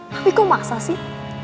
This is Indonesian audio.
tapi kok maksa sih